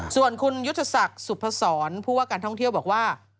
ส่วนคุณยุทธศักดิ์สุพศรผู้ว่าการท่องเที่ยวบอกว่า